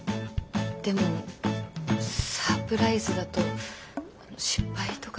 でもサプライズだと失敗とかしたら。